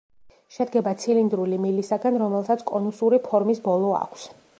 შედგება ცილინდრული მილისაგან, რომელსაც კონუსური ფორმის ბოლო აქვს.